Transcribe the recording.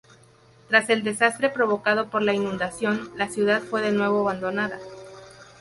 Tras el desastre provocado por la inundación, la ciudad fue de nuevo abandonada.